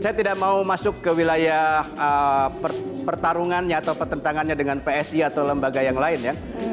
saya tidak mau masuk ke wilayah pertarungannya atau pertentangannya dengan psi atau lembaga yang lain ya